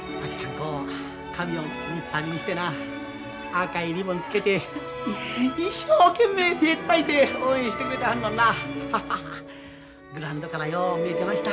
こう髪を三つ編みにしてな赤いリボンつけて一生懸命手ぇたたいて応援してくれてはるのんなハハハグラウンドからよう見えてました。